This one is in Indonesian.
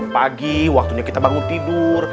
pagi waktunya kita bangun tidur